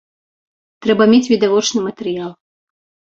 Трэба мець відавочны матэрыял.